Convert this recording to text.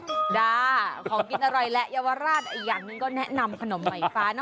ของกินอร่อยแหละเยาวราชอีกอย่างหนึ่งก็แนะนำขนมใหม่ฟ้าเนอ